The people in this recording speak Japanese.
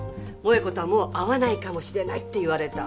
萠子とはもう会わないかもしれないって言われた。